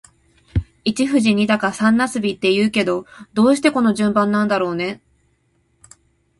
一富士、二鷹、三茄子って言うけど、どうしてこの順番なんだろうね。